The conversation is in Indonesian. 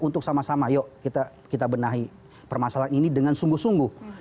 untuk sama sama yuk kita benahi permasalahan ini dengan sungguh sungguh